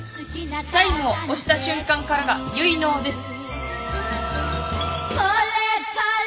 チャイムを押した瞬間からが結納です。